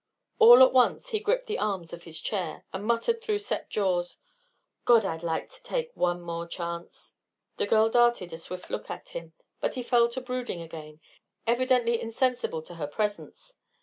All at once he gripped the arms of his chair, and muttered through set jaws: "God, I'd like to take one more chance!" The girl darted a swift look at him, but he fell to brooding again, evidently insensible to her presence.